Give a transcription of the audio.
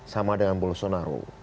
sama dengan bolsonaro